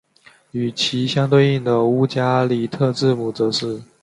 与其相对应的乌加里特字母则是。